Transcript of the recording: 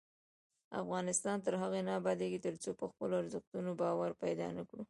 افغانستان تر هغو نه ابادیږي، ترڅو په خپلو ارزښتونو باور پیدا نکړو.